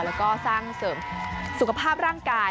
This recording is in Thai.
แล้วก็สร้างเสริมสุขภาพร่างกาย